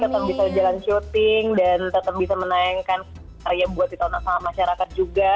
tetap bisa jalan syuting dan tetap bisa menayangkan karya buat ditonton sama masyarakat juga